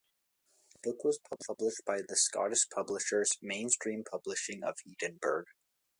The book was published by the Scottish publishers Mainstream Publishing of Edinburgh.